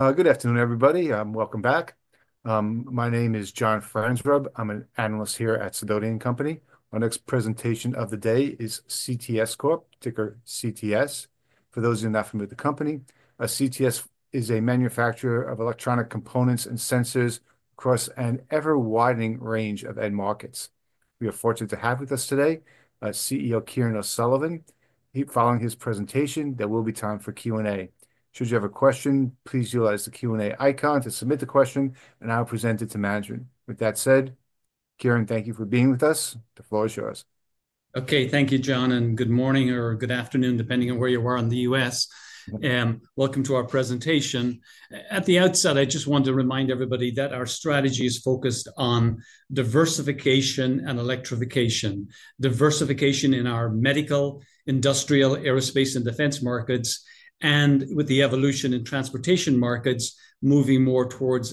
Good afternoon, everybody. Welcome back. My name is John Feinsod. I'm an analyst here at Sidoti & Company. Our next presentation of the day is CTS Corporation, ticker CTS. For those who are not familiar with the company, CTS is a manufacturer of electronic components and sensors across an ever-widening range of end markets. We are fortunate to have with us today CEO Kieran O'Sullivan. Following his presentation, there will be time for Q&A. Should you have a question, please utilize the Q&A icon to submit the question, and I'll present it to management. With that said, Kieran, thank you for being with us. The floor is yours. Okay, thank you, John, and good morning or good afternoon, depending on where you are in the U.S. Welcome to our presentation. At the outset, I just want to remind everybody that our strategy is focused on diversification and electrification, diversification in our medical, industrial, aerospace, and defense markets, and with the evolution in transportation markets, moving more towards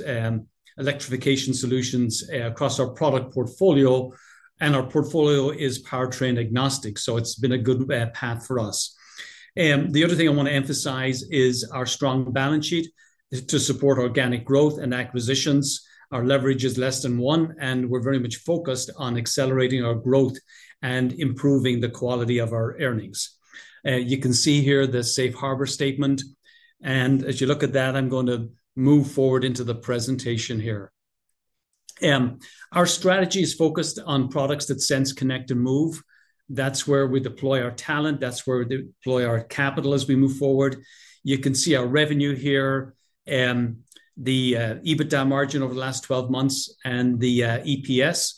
electrification solutions across our product portfolio. Our portfolio is powertrain agnostic, so it's been a good path for us. The other thing I want to emphasize is our strong balance sheet to support organic growth and acquisitions. Our leverage is less than one, and we're very much focused on accelerating our growth and improving the quality of our earnings. You can see here the Safe Harbor statement. As you look at that, I'm going to move forward into the presentation here. Our strategy is focused on products that sense, connect, and move. That's where we deploy our talent. That's where we deploy our capital as we move forward. You can see our revenue here, the EBITDA margin over the last 12 months, and the EPS.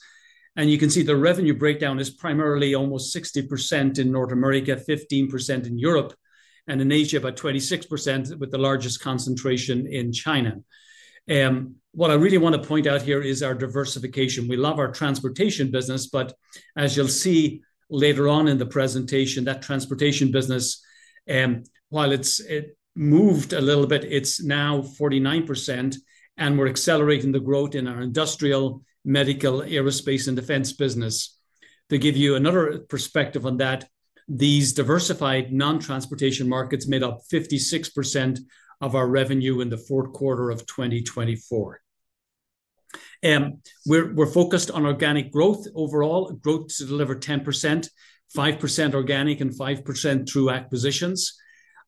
You can see the revenue breakdown is primarily almost 60% in North America, 15% in Europe, and in Asia, about 26%, with the largest concentration in China. What I really want to point out here is our diversification. We love our transportation business, but as you'll see later on in the presentation, that transportation business, while it's moved a little bit, it's now 49%, and we're accelerating the growth in our industrial, medical, aerospace, and defense business. To give you another perspective on that, these diversified non-transportation markets made up 56% of our revenue in the fourth quarter of 2024. We're focused on organic growth overall, growth to deliver 10%, 5% organic, and 5% through acquisitions.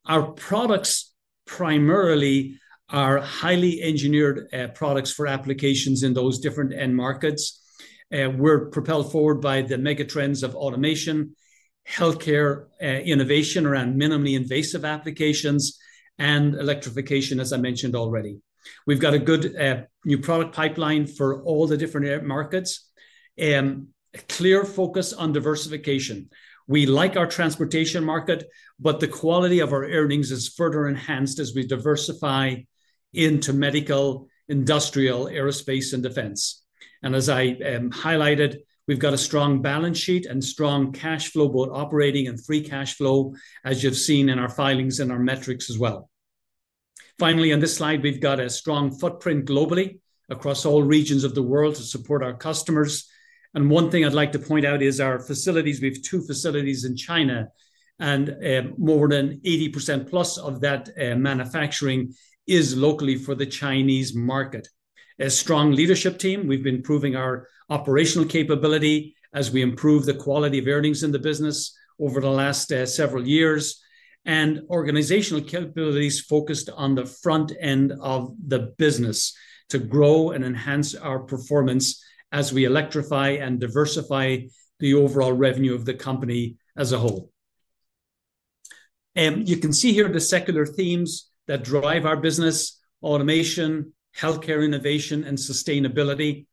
Our products primarily are highly engineered products for applications in those different end markets. We're propelled forward by the mega trends of automation, healthcare innovation around minimally invasive applications, and electrification, as I mentioned already. We've got a good new product pipeline for all the different markets. A clear focus on diversification. We like our transportation market, but the quality of our earnings is further enhanced as we diversify into medical, industrial, aerospace, and defense. As I highlighted, we've got a strong balance sheet and strong cash flow, both operating and free cash flow, as you've seen in our filings and our metrics as well. Finally, on this slide, we've got a strong footprint globally across all regions of the world to support our customers. One thing I'd like to point out is our facilities. We have two facilities in China, and more than 80% of that manufacturing is locally for the Chinese market. A strong leadership team. We've been proving our operational capability as we improve the quality of earnings in the business over the last several years, and organizational capabilities focused on the front end of the business to grow and enhance our performance as we electrify and diversify the overall revenue of the company as a whole. You can see here the secular themes that drive our business: automation, healthcare innovation, and sustainability.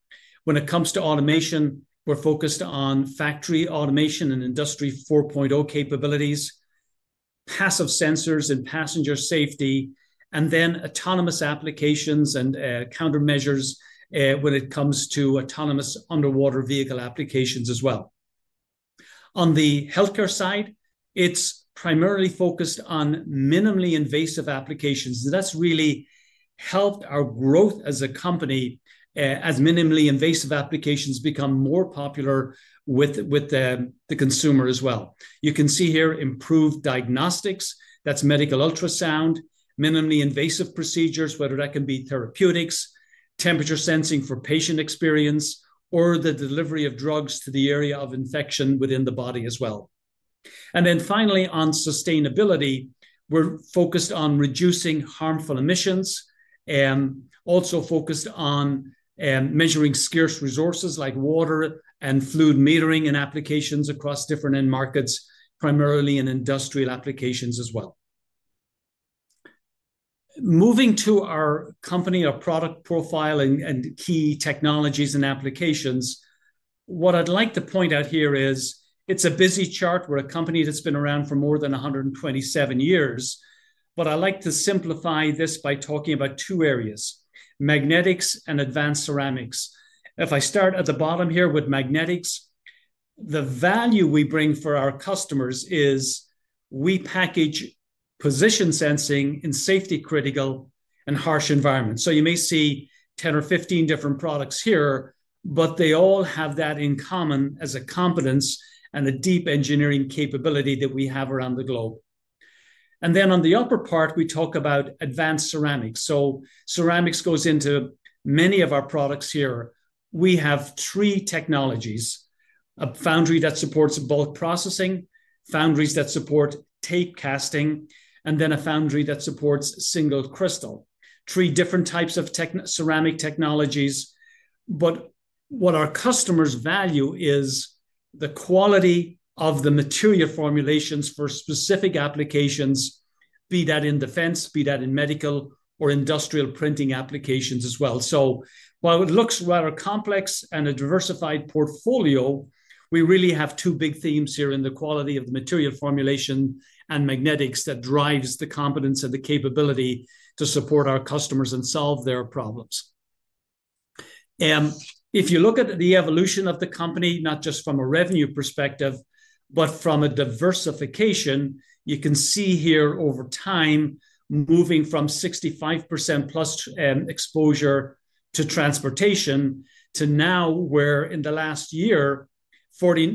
When it comes to automation, we're focused on factory automation and Industry 4.0 capabilities, passive sensors and passenger safety, and then autonomous applications and countermeasures when it comes to autonomous underwater vehicle applications as well. On the healthcare side, it's primarily focused on minimally invasive applications. That's really helped our growth as a company as minimally invasive applications become more popular with the consumer as well. You can see here improved diagnostics. That's medical ultrasound, minimally invasive procedures, whether that can be therapeutics, temperature sensing for patient experience, or the delivery of drugs to the area of infection within the body as well. Finally, on sustainability, we're focused on reducing harmful emissions and also focused on measuring scarce resources like water and fluid metering and applications across different end markets, primarily in industrial applications as well. Moving to our company, our product profile and key technologies and applications, what I'd like to point out here is it's a busy chart. We're a company that's been around for more than 127 years, but I like to simplify this by talking about two areas: magnetics and advanced ceramics. If I start at the bottom here with magnetics, the value we bring for our customers is we package position sensing in safety-critical and harsh environments. You may see 10 or 15 different products here, but they all have that in common as a competence and a deep engineering capability that we have around the globe. On the upper part, we talk about advanced ceramics. Ceramics goes into many of our products here. We have three technologies: a foundry that supports bulk processing, foundries that support tape casting, and a foundry that supports single crystal. Three different types of ceramic technologies. What our customers value is the quality of the material formulations for specific applications, be that in defense, be that in medical or industrial printing applications as well. While it looks rather complex and a diversified portfolio, we really have two big themes here in the quality of the material formulation and magnetics that drives the competence and the capability to support our customers and solve their problems. If you look at the evolution of the company, not just from a revenue perspective, but from a diversification, you can see here over time moving from 65%+ exposure to transportation to now where in the last year,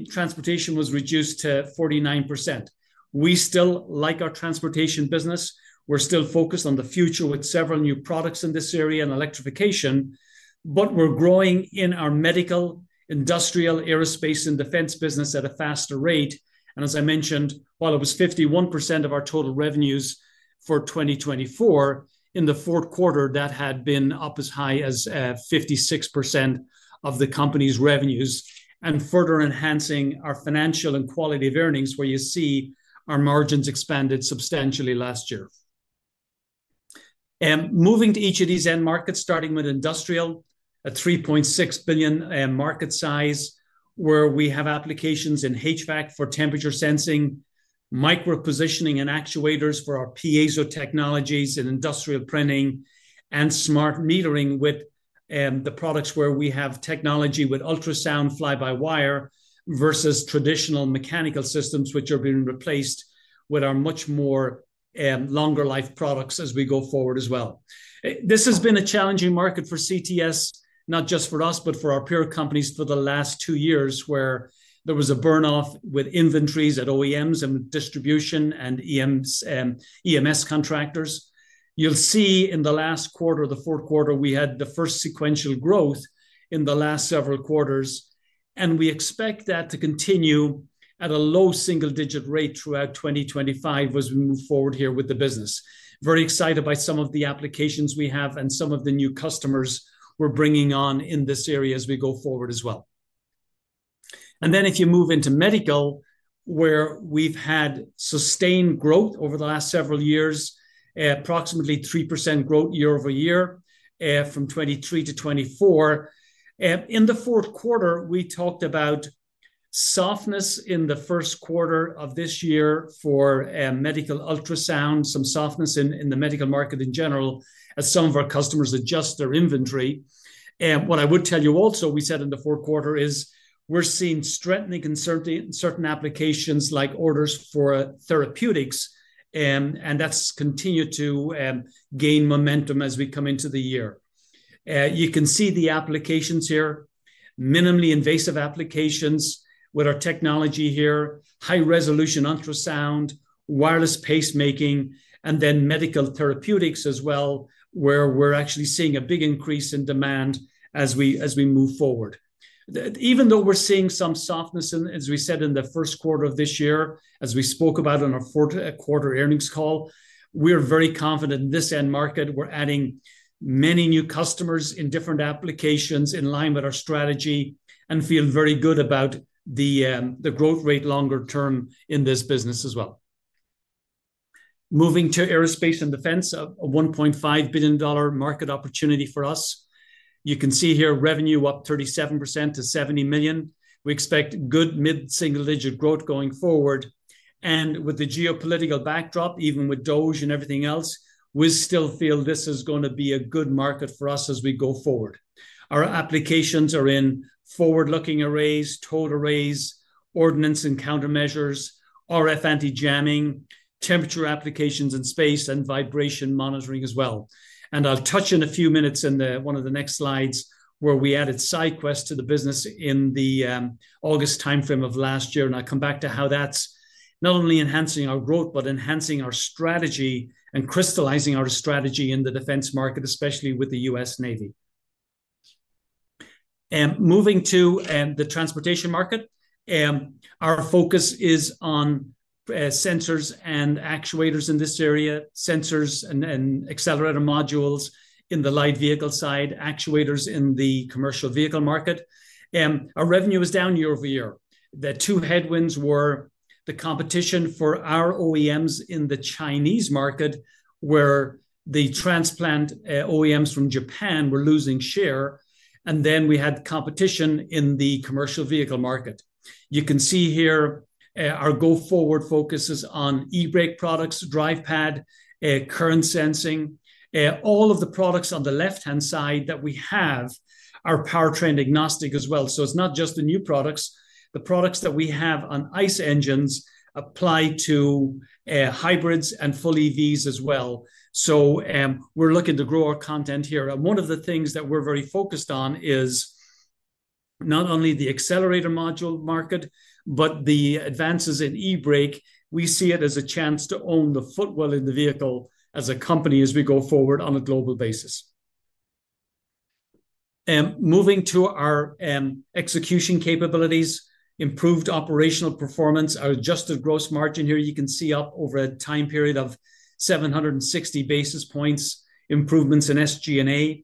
transportation was reduced to 49%. We still like our transportation business. We're still focused on the future with several new products in this area and electrification, but we're growing in our medical, industrial, aerospace, and defense business at a faster rate. As I mentioned, while it was 51% of our total revenues for 2024, in the fourth quarter, that had been up as high as 56% of the company's revenues and further enhancing our financial and quality of earnings where you see our margins expanded substantially last year. Moving to each of these end markets, starting with industrial, a $3.6 billion market size where we have applications in HVAC for temperature sensing, micro-positioning and actuators for our piezo technologies and industrial printing and smart metering with the products where we have technology with ultrasound, fly-by-wire versus traditional mechanical systems, which are being replaced with our much more longer life products as we go forward as well. This has been a challenging market for CTS, not just for us, but for our peer companies for the last two years where there was a burn-off with inventories at OEMs and distribution and EMS contractors. You will see in the last quarter, the fourth quarter, we had the first sequential growth in the last several quarters, and we expect that to continue at a low single-digit rate throughout 2025 as we move forward here with the business. Very excited by some of the applications we have and some of the new customers we are bringing on in this area as we go forward as well. If you move into medical, where we have had sustained growth over the last several years, approximately 3% growth year-over-year from 2023 to 2024. In the fourth quarter, we talked about softness in the first quarter of this year for medical ultrasound, some softness in the medical market in general as some of our customers adjust their inventory. What I would tell you also, we said in the fourth quarter is we're seeing strengthening in certain applications like orders for therapeutics, and that's continued to gain momentum as we come into the year. You can see the applications here, minimally invasive applications with our technology here, high-resolution ultrasound, wireless pacemaking, and then medical therapeutics as well, where we're actually seeing a big increase in demand as we move forward. Even though we're seeing some softness, as we said in the first quarter of this year, as we spoke about in our fourth quarter earnings call, we are very confident in this end market. We're adding many new customers in different applications in line with our strategy and feel very good about the growth rate longer term in this business as well. Moving to aerospace and defense, a $1.5 billion market opportunity for us. You can see here revenue up 37% to $70 million. We expect good mid-single-digit growth going forward. With the geopolitical backdrop, even with DOGE and everything else, we still feel this is going to be a good market for us as we go forward. Our applications are in forward-looking arrays, towed arrays, ordnance and countermeasures, RF anti-jamming, temperature applications in space, and vibration monitoring as well. I'll touch in a few minutes in one of the next slides where we added SyQwest to the business in the August timeframe of last year. I'll come back to how that's not only enhancing our growth, but enhancing our strategy and crystallizing our strategy in the defense market, especially with the U.S. Navy. Moving to the transportation market, our focus is on sensors and actuators in this area, sensors and accelerator modules in the light vehicle side, actuators in the commercial vehicle market. Our revenue is down year-over-year. The two headwinds were the competition for our OEMs in the Chinese market, where the transplant OEMs from Japan were losing share, and then we had competition in the commercial vehicle market. You can see here our go-forward focuses on e-brake products, drive pad, current sensing. All of the products on the left-hand side that we have are powertrain agnostic as well. It's not just the new products. The products that we have on ICE engines apply to hybrids and full EVs as well. We are looking to grow our content here. One of the things that we are very focused on is not only the accelerator module market, but the advances in e-brake. We see it as a chance to own the footwell in the vehicle as a company as we go forward on a global basis. Moving to our execution capabilities, improved operational performance, our adjusted gross margin here, you can see up over a time period of 760 basis points improvements in SG&A.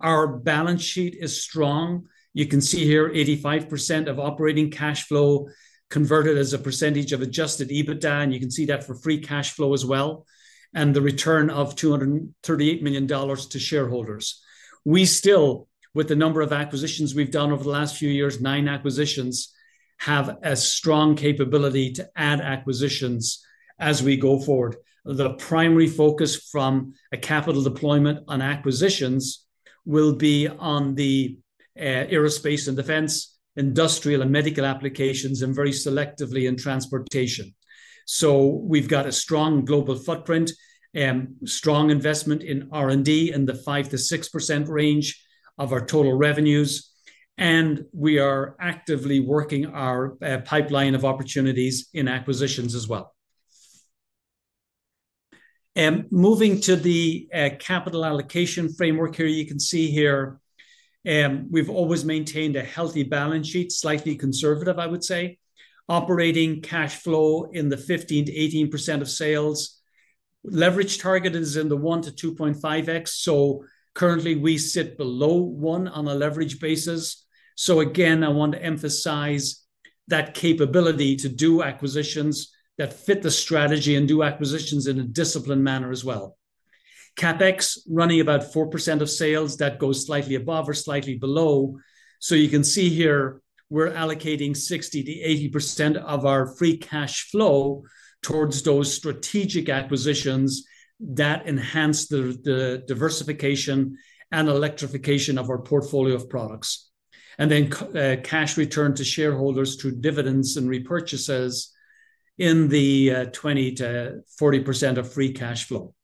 Our balance sheet is strong. You can see here 85% of operating cash flow converted as a percentage of adjusted EBITDA. You can see that for free cash flow as well. The return of $238 million to shareholders. We still, with the number of acquisitions we've done over the last few years, nine acquisitions, have a strong capability to add acquisitions as we go forward. The primary focus from a capital deployment on acquisitions will be on the aerospace and defense, industrial and medical applications, and very selectively in transportation. We have a strong global footprint, strong investment in R&D in the 5%-6% range of our total revenues. We are actively working our pipeline of opportunities in acquisitions as well. Moving to the capital allocation framework here, you can see we have always maintained a healthy balance sheet, slightly conservative, I would say. Operating cash flow in the 15%-18% of sales. Leverage target is in the 1x-2.5x. Currently, we sit below 1 on a leverage basis. Again, I want to emphasize that capability to do acquisitions that fit the strategy and do acquisitions in a disciplined manner as well. CapEx running about 4% of sales. That goes slightly above or slightly below. You can see here we're allocating 60%-80% of our free cash flow towards those strategic acquisitions that enhance the diversification and electrification of our portfolio of products. Cash returned to shareholders through dividends and repurchases in the 20%-40% of free cash flow.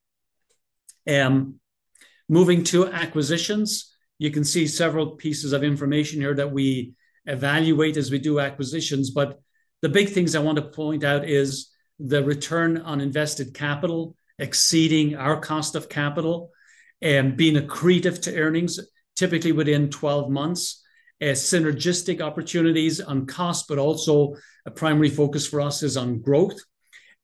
Moving to acquisitions, you can see several pieces of information here that we evaluate as we do acquisitions. The big things I want to point out is the return on invested capital exceeding our cost of capital and being accretive to earnings, typically within 12 months. Synergistic opportunities on cost, but also a primary focus for us is on growth.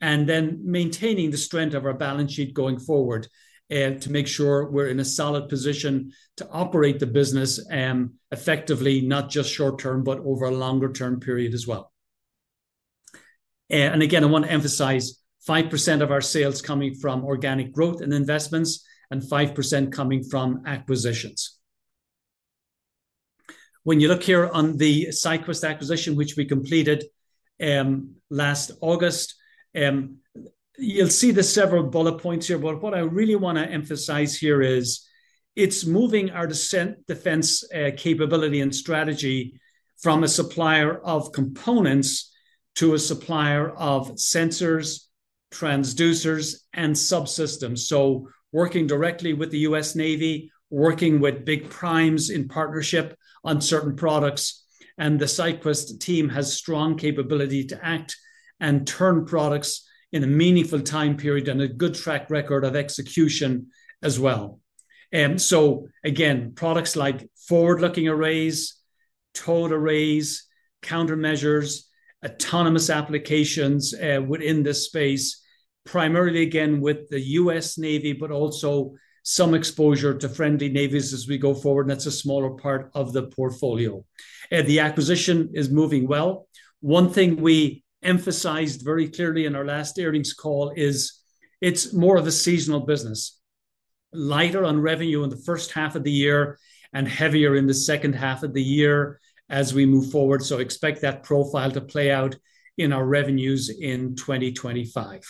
Maintaining the strength of our balance sheet going forward to make sure we're in a solid position to operate the business effectively, not just short term, but over a longer term period as well. I want to emphasize 5% of our sales coming from organic growth and investments and 5% coming from acquisitions. When you look here on the SyQwest acquisition, which we completed last August, you'll see the several bullet points here. What I really want to emphasize here is it's moving our defense capability and strategy from a supplier of components to a supplier of sensors, transducers, and subsystems. Working directly with the U.S. Navy, working with big primes in partnership on certain products. The SyQwest team has strong capability to act and turn products in a meaningful time period and a good track record of execution as well. Again, products like forward-looking arrays, towed arrays, countermeasures, autonomous applications within this space, primarily again with the U.S. Navy, but also some exposure to friendly navies as we go forward. That is a smaller part of the portfolio. The acquisition is moving well. One thing we emphasized very clearly in our last earnings call is it is more of a seasonal business, lighter on revenue in the first half of the year and heavier in the second half of the year as we move forward. Expect that profile to play out in our revenues in 2025.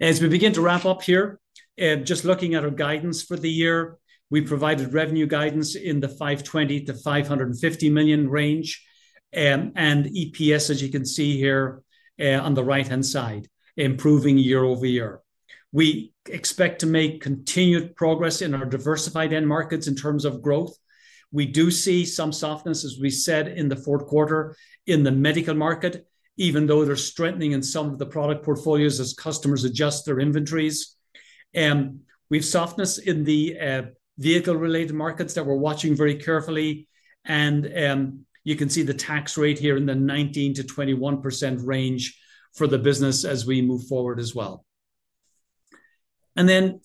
As we begin to wrap up here, just looking at our guidance for the year, we provided revenue guidance in the $520 million-$550 million range and EPS, as you can see here on the right-hand side, improving year-over-year. We expect to make continued progress in our diversified end markets in terms of growth. We do see some softness, as we said, in the fourth quarter in the medical market, even though there's strengthening in some of the product portfolios as customers adjust their inventories. We've softness in the vehicle-related markets that we're watching very carefully. You can see the tax rate here in the 19%-21% range for the business as we move forward as well.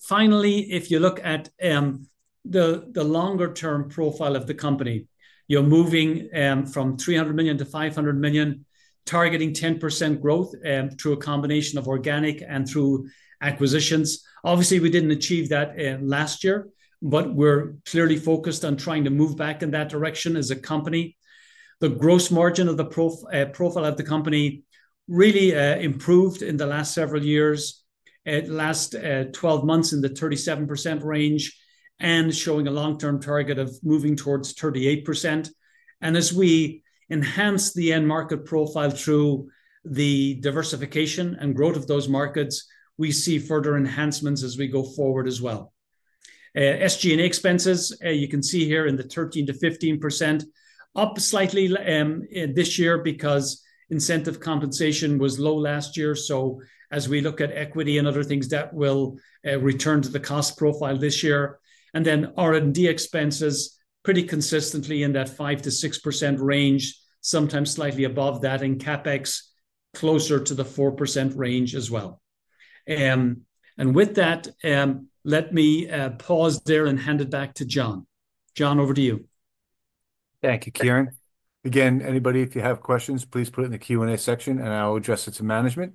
Finally, if you look at the longer-term profile of the company, you're moving from $300 million to $500 million, targeting 10% growth through a combination of organic and through acquisitions. Obviously, we didn't achieve that last year, but we're clearly focused on trying to move back in that direction as a company. The gross margin of the profile of the company really improved in the last several years. Last 12 months in the 37% range and showing a long-term target of moving towards 38%. As we enhance the end market profile through the diversification and growth of those markets, we see further enhancements as we go forward as well. SG&A expenses, you can see here in the 13%-15% range, up slightly this year because incentive compensation was low last year. As we look at equity and other things, that will return to the cost profile this year. R&D expenses pretty consistently in that 5%-6% range, sometimes slightly above that, and CapEx closer to the 4% range as well. With that, let me pause there and hand it back to John. John, over to you. Thank you, Kieran. Again, anybody, if you have questions, please put it in the Q&A section and I'll address it to management.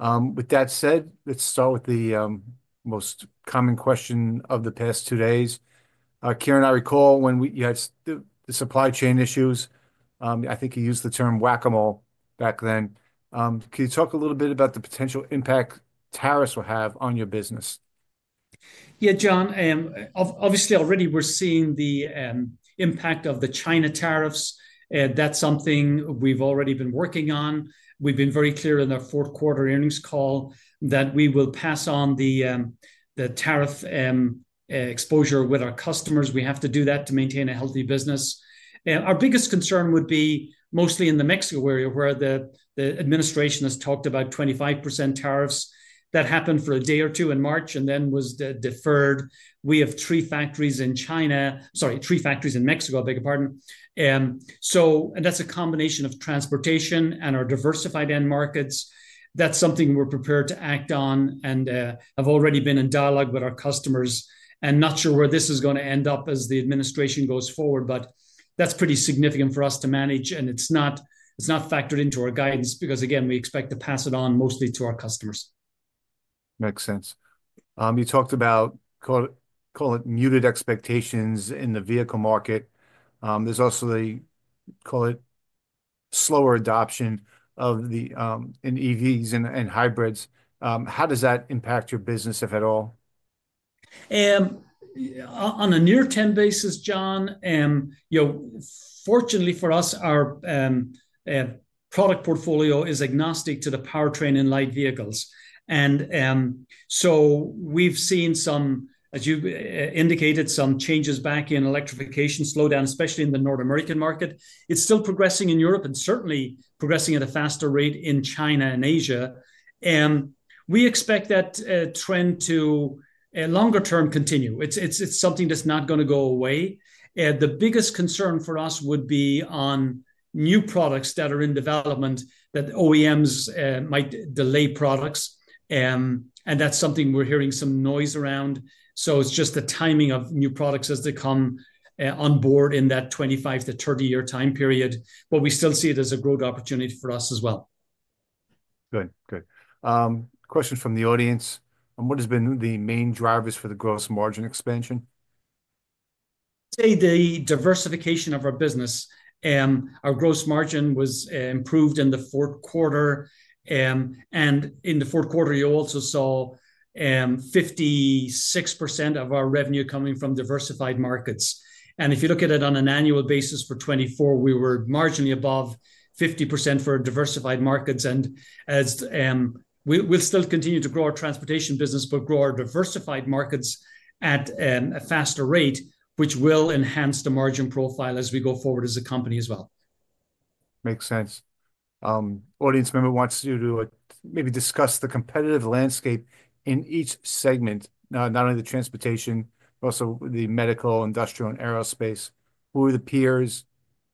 With that said, let's start with the most common question of the past two days. Kieran, I recall when you had the supply chain issues, I think you used the term whac-a-mole back then. Can you talk a little bit about the potential impact tariffs will have on your business? Yeah, John, obviously already we're seeing the impact of the China tariffs. That's something we've already been working on. We've been very clear in our fourth quarter earnings call that we will pass on the tariff exposure with our customers. We have to do that to maintain a healthy business. Our biggest concern would be mostly in the Mexico area, where the administration has talked about 25% tariffs that happened for a day or two in March and then was deferred. We have three factories in China, sorry, three factories in Mexico, I beg your pardon. And that's a combination of transportation and our diversified end markets. That's something we're prepared to act on and have already been in dialogue with our customers. Not sure where this is going to end up as the administration goes forward, but that's pretty significant for us to manage. It is not factored into our guidance because, again, we expect to pass it on mostly to our customers. Makes sense. You talked about, call it, muted expectations in the vehicle market. There's also the, call it, slower adoption of the EVs and hybrids. How does that impact your business, if at all? On a near-10 basis, John, fortunately for us, our product portfolio is agnostic to the powertrain and light vehicles. We have seen some, as you indicated, some changes back in electrification slowdown, especially in the North American market. It is still progressing in Europe and certainly progressing at a faster rate in China and Asia. We expect that trend to longer term continue. It is something that is not going to go away. The biggest concern for us would be on new products that are in development that OEMs might delay products. That is something we are hearing some noise around. It is just the timing of new products as they come on board in that 25- to 30-year time period. We still see it as a growth opportunity for us as well. Good. Good. Question from the audience. What has been the main drivers for the gross margin expansion? I'd say the diversification of our business. Our gross margin was improved in the fourth quarter. In the fourth quarter, you also saw 56% of our revenue coming from diversified markets. If you look at it on an annual basis for 2024, we were marginally above 50% for diversified markets. We will still continue to grow our transportation business, but grow our diversified markets at a faster rate, which will enhance the margin profile as we go forward as a company as well. Makes sense. Audience member wants you to maybe discuss the competitive landscape in each segment, not only the transportation, but also the medical, industrial, and aerospace. Who are the peers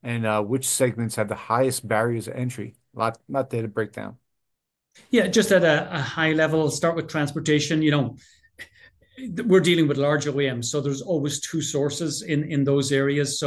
and which segments have the highest barriers of entry? Not data breakdown. Yeah, just at a high level, start with transportation. We're dealing with large OEMs, so there's always two sources in those areas.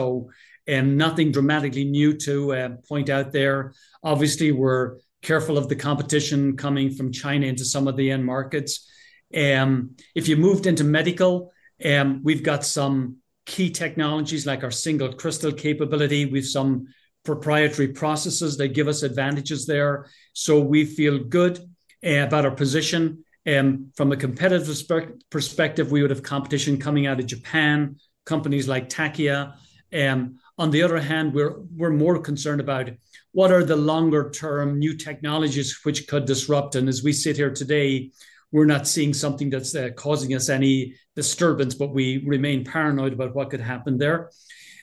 Nothing dramatically new to point out there. Obviously, we're careful of the competition coming from China into some of the end markets. If you moved into medical, we've got some key technologies like our single crystal capability. We have some proprietary processes that give us advantages there. We feel good about our position. From a competitive perspective, we would have competition coming out of Japan, companies like TDK. On the other hand, we're more concerned about what are the longer-term new technologies which could disrupt. As we sit here today, we're not seeing something that's causing us any disturbance, but we remain paranoid about what could happen there.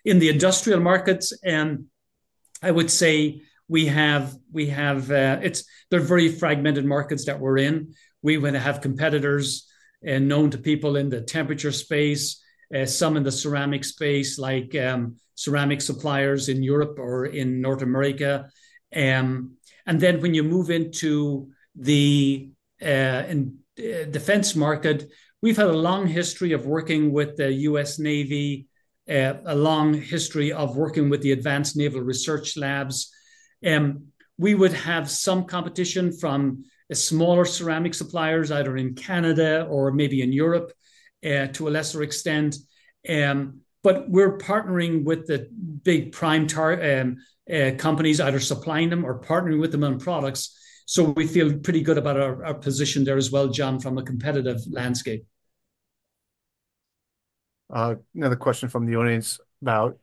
In the industrial markets, I would say they're very fragmented markets that we're in. We're going to have competitors known to people in the temperature space, some in the ceramic space, like ceramic suppliers in Europe or in North America. When you move into the defense market, we've had a long history of working with the U.S. Navy, a long history of working with the advanced naval research labs. We would have some competition from smaller ceramic suppliers, either in Canada or maybe in Europe to a lesser extent. We are partnering with the big prime companies, either supplying them or partnering with them on products. We feel pretty good about our position there as well, John, from a competitive landscape. Another question from the audience about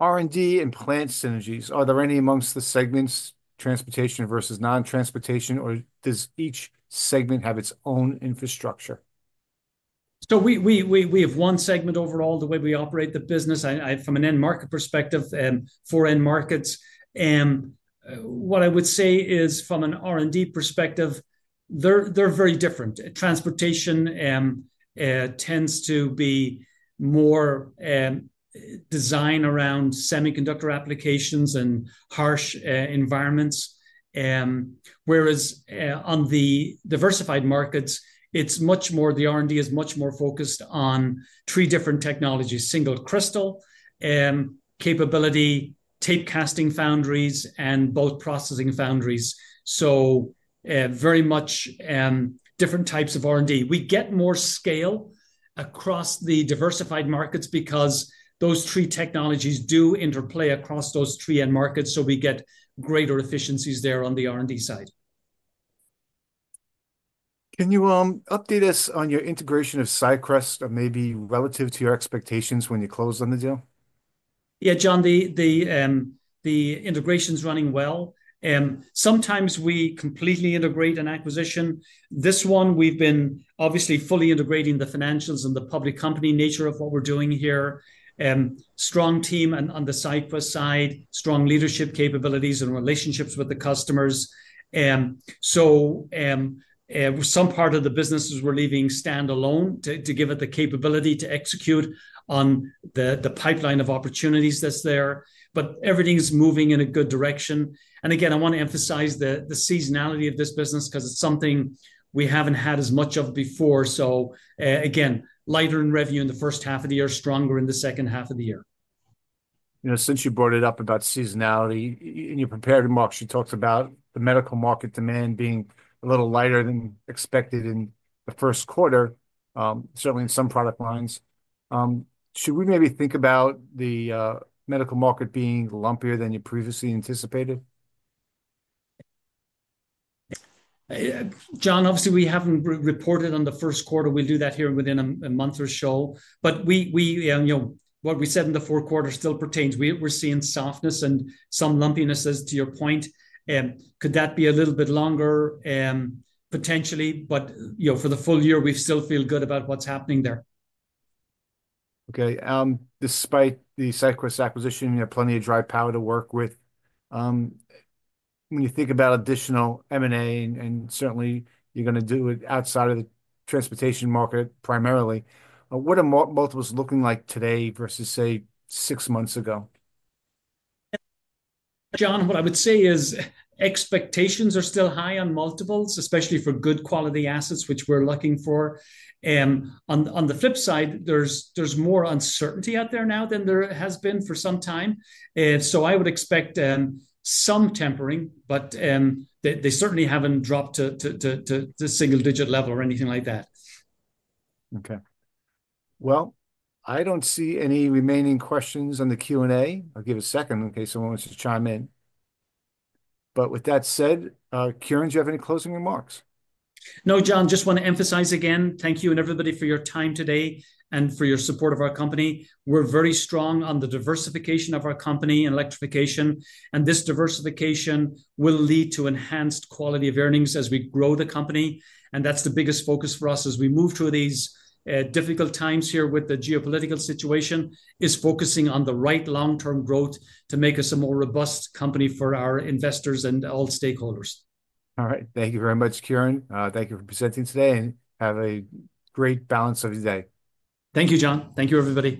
R&D and plant synergies. Are there any amongst the segments, transportation versus non-transportation, or does each segment have its own infrastructure? We have one segment overall, the way we operate the business. From an end market perspective and for end markets, what I would say is from an R&D perspective, they're very different. Transportation tends to be more design around semiconductor applications and harsh environments. Whereas on the diversified markets, it's much more the R&D is much more focused on three different technologies: single crystal capability, tape casting foundries, and both processing foundries. Very much different types of R&D. We get more scale across the diversified markets because those three technologies do interplay across those three end markets. We get greater efficiencies there on the R&D side. Can you update us on your integration of SyQwest or maybe relative to your expectations when you close on the deal? Yeah, John, the integration is running well. Sometimes we completely integrate an acquisition. This one, we've been obviously fully integrating the financials and the public company nature of what we're doing here. Strong team on the SyQwest side, strong leadership capabilities and relationships with the customers. Some part of the businesses we're leaving standalone to give it the capability to execute on the pipeline of opportunities that's there. Everything is moving in a good direction. I want to emphasize the seasonality of this business because it's something we haven't had as much of before. Again, lighter in revenue in the first half of the year, stronger in the second half of the year. Since you brought it up about seasonality, in your prepared marks, you talked about the medical market demand being a little lighter than expected in the first quarter, certainly in some product lines. Should we maybe think about the medical market being lumpier than you previously anticipated? John, obviously, we haven't reported on the first quarter. We'll do that here within a month or so. What we said in the fourth quarter still pertains. We're seeing softness and some lumpiness, as to your point. Could that be a little bit longer potentially? For the full year, we still feel good about what's happening there. Okay. Despite the SyQwest acquisition, you have plenty of dry powder to work with. When you think about additional M&A, and certainly you're going to do it outside of the transportation market primarily, what are multiples looking like today versus, say, six months ago? John, what I would say is expectations are still high on multiples, especially for good quality assets, which we're looking for. On the flip side, there is more uncertainty out there now than there has been for some time. I would expect some tempering, but they certainly have not dropped to single-digit level or anything like that. Okay. I do not see any remaining questions on the Q&A. I'll give it a second in case someone wants to chime in. With that said, Kieran, do you have any closing remarks? No, John, just want to emphasize again, thank you and everybody for your time today and for your support of our company. We're very strong on the diversification of our company and electrification. This diversification will lead to enhanced quality of earnings as we grow the company. That's the biggest focus for us as we move through these difficult times here with the geopolitical situation, focusing on the right long-term growth to make us a more robust company for our investors and all stakeholders. All right. Thank you very much, Kieran. Thank you for presenting today and have a great balance of your day. Thank you, John. Thank you, everybody.